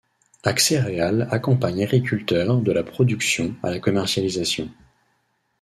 Axéréal accompagne agriculteurs de la production à la commercialisation.